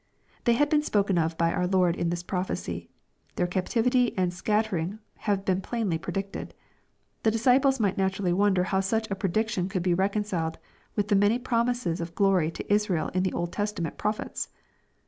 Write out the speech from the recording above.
They had been spoken of by our Lord in this prophecy. Their captivity and scattering had been plainly predicted. The disciples might naturally wonder how such a prediction could be reconciled with the many promises of glory to Israel in the Old Testament prophets.